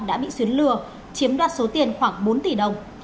đã bị xuyến lừa chiếm đoạt số tiền khoảng bốn tỷ đồng